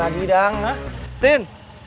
tab trai bajenya rlins